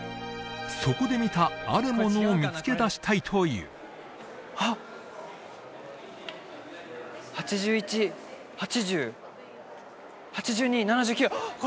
そこで見たあるものを見つけ出したいというあっ８１８０８２７９